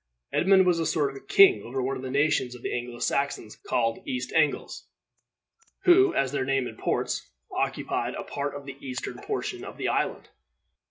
Edmund was a sort of king over one of the nations of Anglo Saxons called East Angles, who, as their name imports, occupied a part of the eastern portion of the island.